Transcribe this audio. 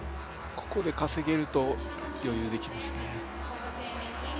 ここで稼げると余裕できますね。